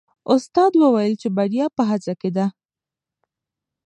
استاد وویل چې بریا په هڅه کې ده.